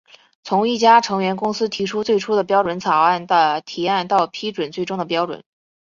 从一家成员公司提出最初的标准草案的提案到批准最终的标准。